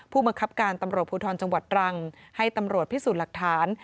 ผู้บังคับการตำรวจภูทรจังหวัดตรังให้ตำรวจพิสูจน์หลักฐาน